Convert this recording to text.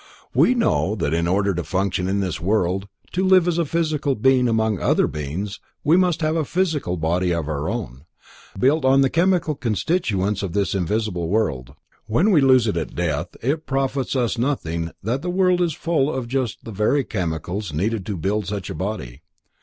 We know that in order to function in this world, to live as a physical being among other like beings, we must have a physical body all our own, built of the chemical constituents of this visible world. When we lose it at death, it profits us nothing that the world is full of just the very chemicals needed to build such a body.